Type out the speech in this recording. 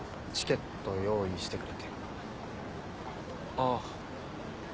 ああ。